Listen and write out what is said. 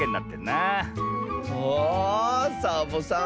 あサボさん